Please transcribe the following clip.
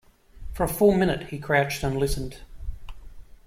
For a full minute he crouched and listened.